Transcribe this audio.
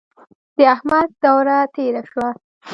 د احمد دوره تېره شوه.